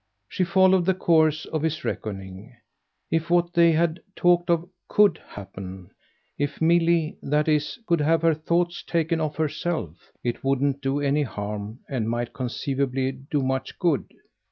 She followed the course of his reckoning. If what they had talked of COULD happen if Milly, that is, could have her thoughts taken off herself it wouldn't do any harm and might conceivably do much good.